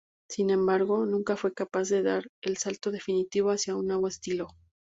Sin embargo, nunca fue capaz de dar el salto definitivo hacia un nuevo estilo.